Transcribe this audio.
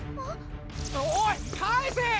おい返せー！